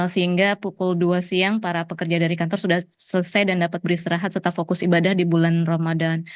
sehingga pukul dua siang para pekerja dari kantor sudah selesai dan dapat beristirahat serta fokus ibadah di bulan ramadan